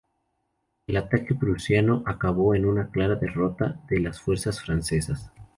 El ataque prusiano acabó en una clara derrota de las fuerzas francesas.